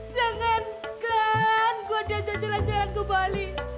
jangan kan gua diajak jalan jalan ke bali